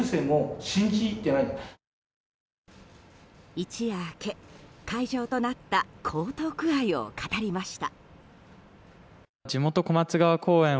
一夜明け、会場となった江東区愛を語りました。